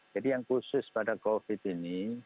yang khusus pada covid ini